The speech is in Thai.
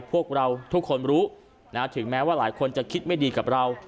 พวกเราทุกคนรู้ถึงแม้ว่าหลายคนจะคิดไม่ดีกับเรา